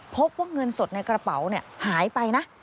พบว่าเงินสดในกระเป๋าหายไปนะ